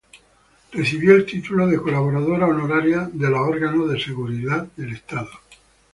Recibió el título de Colaboradora Honoraria de los Órganos de Seguridad del Estado.